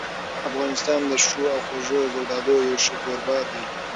افغانستان د ښو او خوږو زردالو یو ښه کوربه دی.